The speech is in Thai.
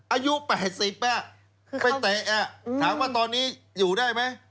อายุ๘๐ไปเตะถามว่าตอนนี้อยู่ได้ไหม